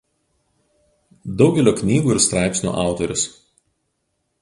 Daugelio knygų ir straipsnių autorius.